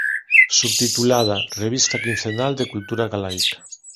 Subtitulada "Revista quincenal de Cultura Galaica.